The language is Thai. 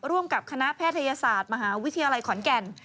ร่วมกับคณะแพทยศาสตร์มหาวิทยาลัยขอนแก่น